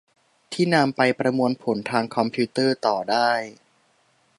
ที่นำไปประมวลผลทางคอมพิวเตอร์ต่อได้